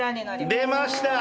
出ました！